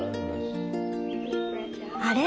あれ？